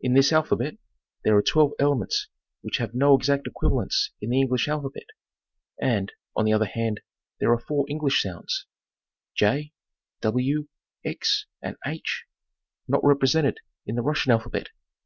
In this alphabet, there are 12 elements which have no exact equiva= lents in the English alphabet, and, on the other hand, there are 4 ' English sounds (7, w, «and h) not represented in the Russian alphabet.